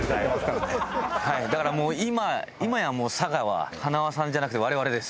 だから今やもう佐賀ははなわさんじゃなくて我々です。